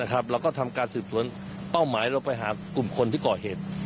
เราก็ทำการสืบสวนเป้าหมายเราไปหากลุ่มคนที่ก่อเหตุ